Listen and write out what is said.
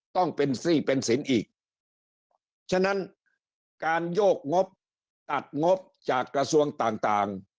ต้องเป็นซี่เป็นสินอีกฉะนั้นการโยกงบตัดงบจากกระทรวงต่างต่าง